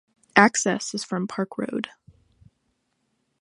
Access is from Park Road.